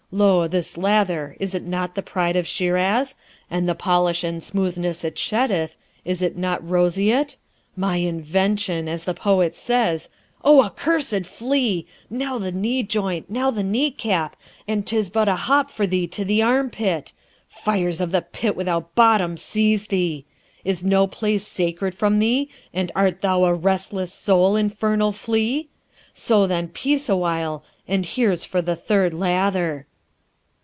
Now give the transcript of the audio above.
Lo! this lather, is't not the pride of Shiraz? and the polish and smoothness it sheddeth, is't not roseate? my invention! as the poet says, O accursed flea! now the knee joint, now the knee cap, and 'tis but a hop for thee to the arm pit. Fires of the pit without bottom seize thee! is no place sacred from thee, and art thou a restless soul, infernal flea? So then, peace awhile, and here's for the third lather.'